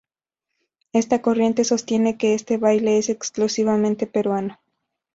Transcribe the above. Esta corriente sostiene que este baile es exclusivamente peruano.